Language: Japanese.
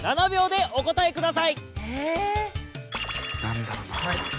７秒でお答えください。